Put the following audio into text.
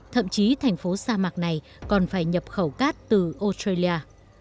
thậm chí thành phố sa mạc này còn phải nhập khẩu cát từ australia